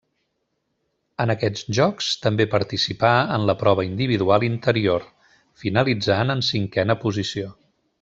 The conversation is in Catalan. En aquests Jocs també participà en la prova individual interior, finalitzant en cinquena posició.